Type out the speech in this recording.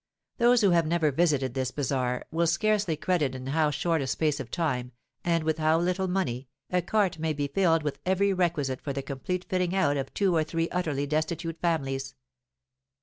Those who have never visited this bazar will scarcely credit in how short a space of time, and with how little money, a cart may be filled with every requisite for the complete fitting out of two or three utterly destitute families.